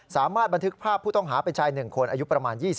สามารถบันทึกภาพผู้ต้องหาเป็นชาย๑คนอายุประมาณ๒๐